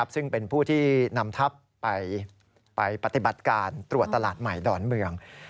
ซึ่งเป็นผู้ที่นำทัพไปปฏิบัติการตรวจตลาดใหม่ดอนเมือง